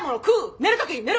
寝る時に寝る！